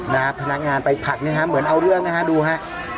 นะฮะพนักงานไปผัดเนี่ยฮะเหมือนเอาเรื่องนะฮะดูฮะ